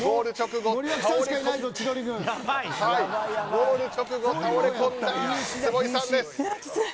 ゴール直後倒れ込んだ坪井さんです。